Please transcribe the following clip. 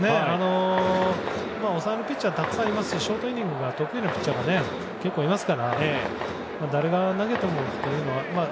抑えのピッチャーはたくさんいますしショートイニングが得意なピッチャーも結構いますから誰が投げてもというのは。